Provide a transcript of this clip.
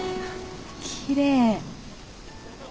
きれい。